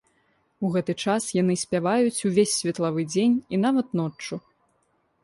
У гэты час яны спяваюць ўвесь светлавы дзень і нават ноччу.